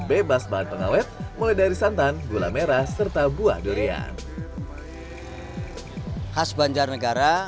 bebas bahan pengawet mulai dari santan gula merah serta buah durian khas banjarnegara